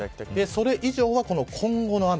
それ以上は今後の雨。